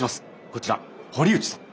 こちら堀内さん。